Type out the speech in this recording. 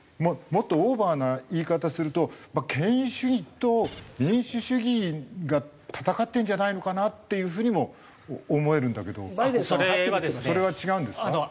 もっとオーバーな言い方すると権威主義と民主主義が闘ってんじゃないのかなっていう風にも思えるんだけどそれは違うんですか？